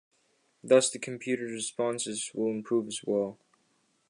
Thus the computer's responses will improve as well.